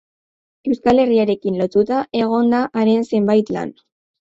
Euskal Herriarekin lotuta egon da haren zenbait lan.